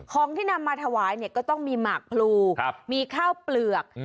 ของที่นำมาถวายเนี่ยก็ต้องมีหมากพลูมีข้าวเปลือก